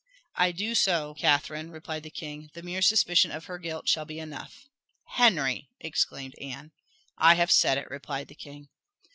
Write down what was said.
"I do so, Catherine," replied the king. "The mere suspicion of her guilt shall be enough." "Henry!" exclaimed Anne. "I have said it," replied the king.